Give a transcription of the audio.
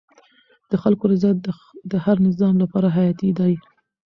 د خلکو رضایت د هر نظام لپاره حیاتي دی